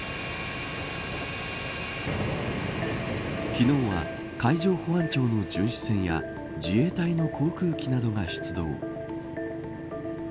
昨日は海上保安庁の巡視船や自衛隊の航空機などが出動。